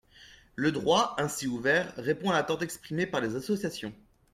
Le droit ainsi ouvert répond à l’attente exprimée par les associations.